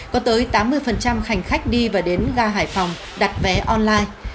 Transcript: có tới tám mươi hành khách đi và đến ga hải phòng đặt vé online